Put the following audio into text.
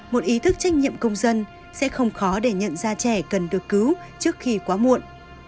một ý thức trách nhiệm công dân sẽ không khó để nhận ra trẻ cần được cứu trước khi quá muộn